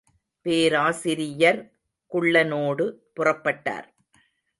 பேராசிரியர் குள்ளனோடு புறப்பட்டார்.